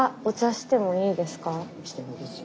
してもいいですよ。